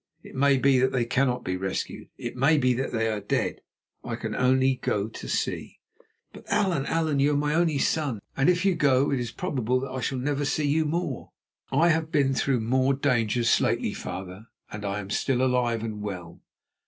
It may be that they cannot be rescued, it may be that they are dead. I can only go to see." "But, Allan, Allan, you are my only son, and if you go it is probable that I shall never see you more." "I have been through more dangers lately, father, and am still alive and well.